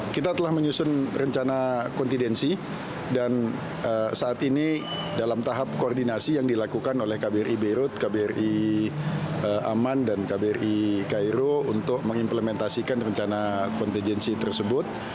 kita telah menyusun rencana kontidensi dan saat ini dalam tahap koordinasi yang dilakukan oleh kbri beirut kbri aman dan kbri cairo untuk mengimplementasikan rencana kontijensi tersebut